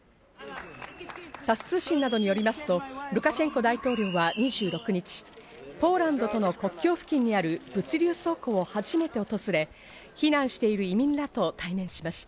タス通信などによりますと、ルカシェンコ大統領は２６日、ポーランドとの国境付近にある物流倉庫を初めて訪れ、避難している移民らと対面しました。